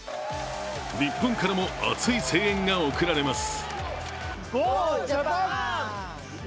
日本からも熱い声援が送られます。